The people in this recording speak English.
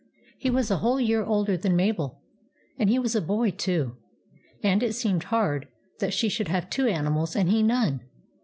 He was a whole year older than Mabel, and he was a boy, too ; and it seemed hard that she should have two animals and he none.